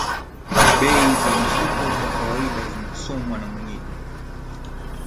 bei za masoko kwa kawaida zinasomwa na mwenyeji